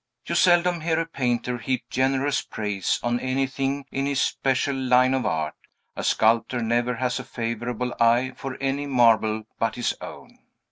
You seldom hear a painter heap generous praise on anything in his special line of art; a sculptor never has a favorable eye for any marble but his own.